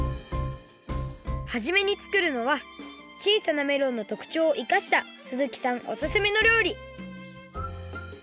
はじめに作るのは小さなメロンのとくちょうをいかした鈴木さんおすすめのりょうり！